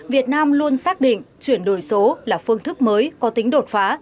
việt nam luôn xác định chuyển đổi số là phương thức mới có tính đột phá